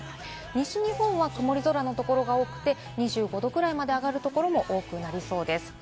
西日本は曇り空のところが多くて、２５度くらいまで上がるところが多くなりそうです。